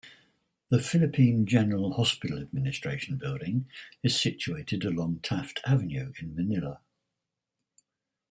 The Philippine General Hospital Administration Building is situated along Taft Avenue in Manila.